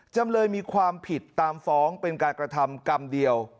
จำเลยมีความผิดตามฟ้องเป็นการกระทำกรรมเดียว